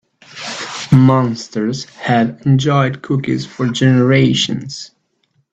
Monsters have enjoyed cookies for generations.